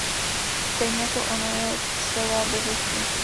Stejně jako ono je celé bez hostů.